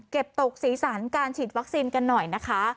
ตกสีสันการฉีดวัคซีนกันหน่อยนะคะ